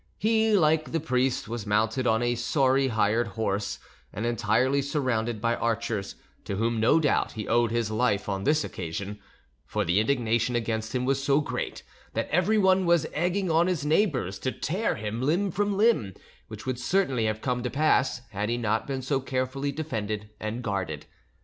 He, like the priest, was mounted on a sorry hired horse, and entirely surrounded by archers, to whom, no doubt, he owed his life on this occasion; for the indignation against him was so great that everyone was egging on his neighbours to tear him limb from limb, which would certainly have come to pass had he not been so carefully defended and guarded.